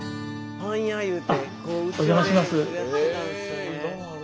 あお邪魔します。